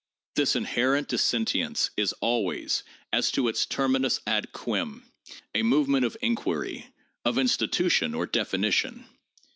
This inherent dissentience is always, as to its terminus ad quern, a movement of inquiry, of institution or definition.